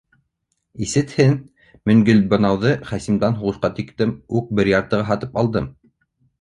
Исетһен, Мин Гөлбаныуҙы Хасимдан һуғышҡа тиктем үк бер яртыға һатып алдым.